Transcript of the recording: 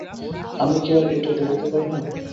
আমি কি আর এইটে দেখিতে পাই না!